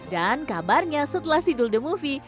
dan kabarnya setelah si dul the movie